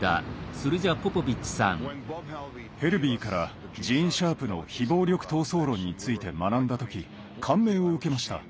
ヘルヴィーからジーン・シャープの非暴力闘争論について学んだ時感銘を受けました。